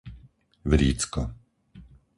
Vrícko